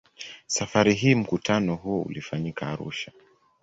Safari hii mkutano huo ulifanyika Arusha.